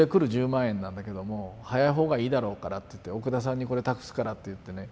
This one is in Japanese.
１０万円なんだけども早い方がいいだろうからっていって奥田さんにこれ託すからっていってね